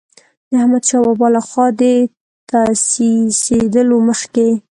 د احمدشاه بابا له خوا د تاسیسېدلو مخکې.